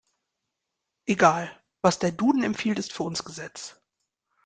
Egal. Was der Duden empfiehlt, ist für uns Gesetz.